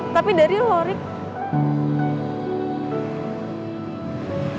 tapi dari lo rik